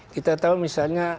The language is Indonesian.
kita tahu misalnya